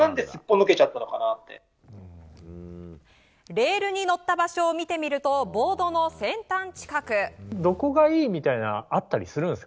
レールに乗った場所を見てみると、ボードの先端近く。